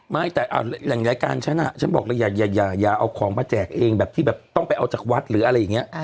แหล่งนะการฉันอ่ะอยากเอาของมาแจกเองแบบที่แบบต้องไปเอาจากวัดหรืออะไรอย่างนี้